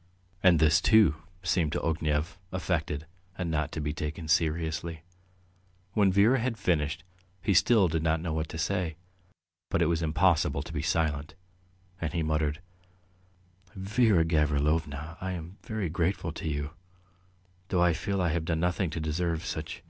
.." And this, too, seemed to Ognev affected and not to be taken seriously. When Vera had finished he still did not know what to say, but it was impossible to be silent, and he muttered: "Vera Gavrilovna, I am very grateful to you, though I feel I've done nothing to deserve such